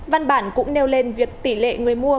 văn bản cũng nêu lên việc tỷ lệ người mua